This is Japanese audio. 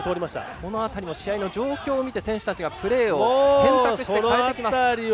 この辺りも試合の状況を見て選手たちがプレーを選択して変えてきます。